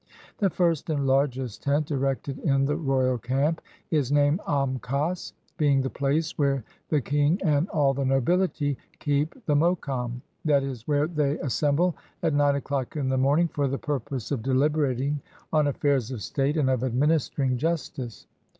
The first and largest tent erected in the royal camp is named am kas. being the place where the king and all the nobihty keep the mokam; that is, where they assemble at nine o'clock in the morning for the purpose of deUberating on affairs of state and of administering justice.